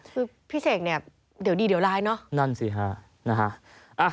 คือพี่เสกเนี่ยเดี๋ยวดีเดี๋ยวร้ายเนอะนั่นสิฮะนะฮะ